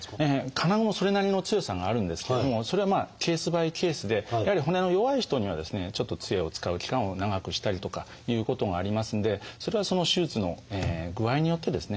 金具もそれなりの強さがあるんですけどもそれはケースバイケースでやはり骨の弱い人にはですねちょっとつえを使う期間を長くしたりとかいうことがありますんでそれはその手術の具合によってですね